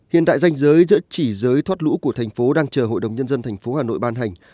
hiện tại danh giới giữa chỉ giới thoát lũ của thành phố đang chờ hội đồng nhân dân thành phố hà nội ban hành